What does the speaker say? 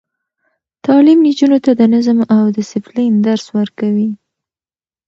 تعلیم نجونو ته د نظم او دسپلین درس ورکوي.